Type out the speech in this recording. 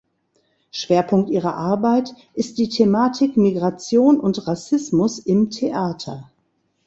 Schwerpunkt ihrer Arbeit ist die Thematik Migration und Rassismus im Theater.